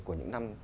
của những năm